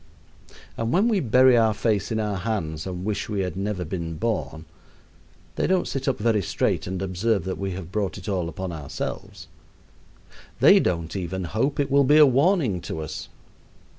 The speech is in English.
And when we bury our face in our hands and wish we had never been born, they don't sit up very straight and observe that we have brought it all upon ourselves. They don't even hope it will be a warning to us.